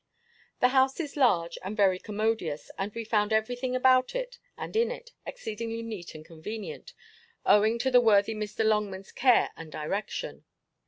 The house is large, and very commodious; and we found every thing about it, and in it, exceeding neat and convenient; owing to the worthy Mr. Longman's care and direction.